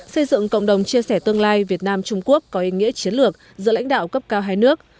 xây dựng cộng đồng chia sẻ tương lai việt nam trung quốc có ý nghĩa chiến lược giữa lãnh đạo cấp cao hai nước